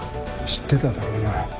知ってただろうな。